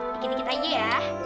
dikit dikit aja ya